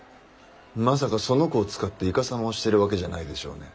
まさかその子を使っていかさまをしてるわけじゃないでしょうね？